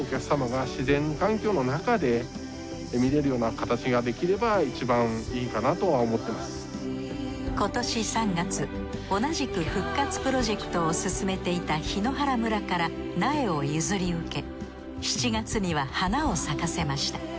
かつては今年３月同じく復活プロジェクトを進めていた檜原村から苗を譲り受け７月には花を咲かせました。